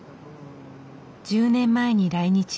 １０年前に来日。